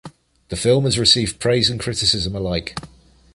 The film has received praise and criticism alike.